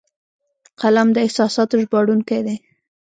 قلم د احساساتو ژباړونکی دی